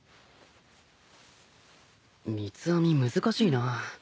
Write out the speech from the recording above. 三つ編み難しいな。